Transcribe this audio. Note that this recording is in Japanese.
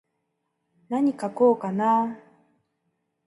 なに書こうかなー。